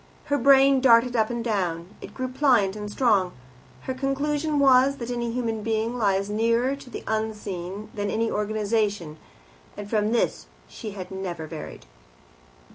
Her brain darted up and down; it grew pliant and strong. Her conclusion was, that any human being lies nearer to the unseen than any organization, and from this she never varied.